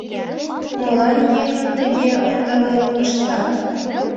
Молан еҥым тыге ондален коштат?